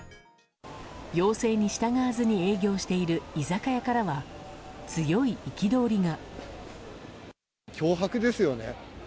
要請に従わずに営業している居酒屋からは強い憤りが。